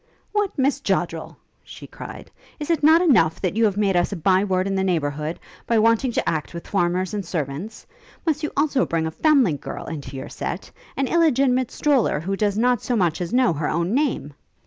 'What, Miss Joddrel!' she cried, 'is it not enough that you have made us a by word in the neighbourhood, by wanting to act with farmers and servants? Must you also bring a foundling girl into your sett? an illegitimate stroller, who does not so much as know her own name?'